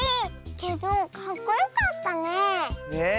けどかっこよかったねえ。ね。